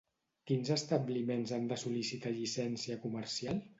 Quins establiments han de sol·licitar Llicència Comercial?